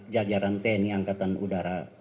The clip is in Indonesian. jajaran tni angkatan udara